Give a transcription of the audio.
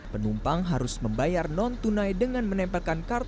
penumpang harus membayar non tunai dengan menempatkan kartu unggul